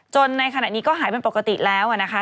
ในขณะนี้ก็หายเป็นปกติแล้วนะคะ